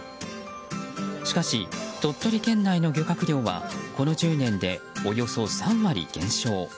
しかし、鳥取県内の漁獲量はこの１０年でおよそ３割減少。